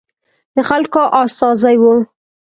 د خلکو استازي وو.